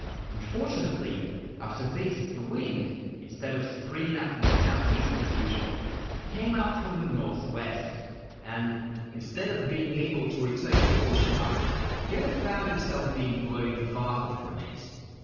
Unfortunately, after this the wind, instead of springing up from the south east as usual, came out from the north west, and, instead of being able to return to Oshima, Yoda found himself being blown farther from it.